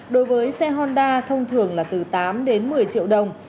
đối với xe honda thông thường là từ tám đến một mươi triệu đồng